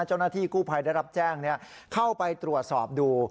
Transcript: เจ้าหน้าที่กู้ภัยได้รับแจ้งเข้าไปตรวจสอบดู